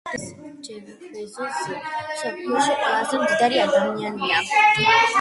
დღეს ჯეფ ბეზოსი მსოფლიოში ყველაზე მდიდარი ადამიანია.